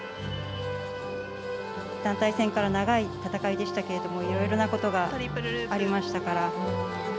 団体戦から長い戦いでしたけれどもいろいろなことがありましたから。